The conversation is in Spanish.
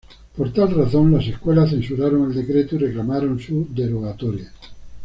Por tal razón, las escuelas censuraron el decreto y reclamaron su derogatoria.